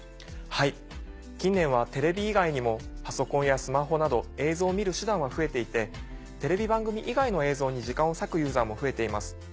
はい近年はテレビ以外にもパソコンやスマホなど映像を見る手段は増えていてテレビ番組以外の映像に時間を割くユーザーも増えています。